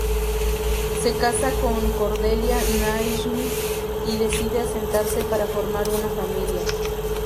Se casa con Cordelia Naismith y decide asentarse para formar una familia.